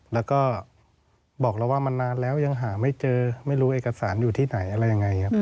แล้วก็บอกเราว่ามันนานแล้วยังหาไม่เจอไม่รู้เอกสารอยู่ที่ไหนอะไรยังไงครับ